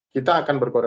kita akan berkorupsi